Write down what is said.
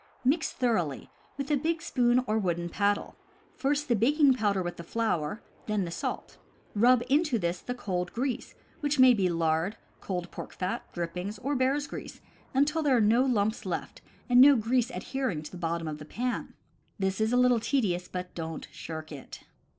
Mix thoroughly, with big spoon or wooden paddle, first the baking powder with the flour, and then the salt. Rub into this the cold grease (which may be lard, cold pork fat, drippings, or bear's grease), until there are no lumps left and no grease adhering to bot tom of pan. This is a little tedious, but don't shirk it.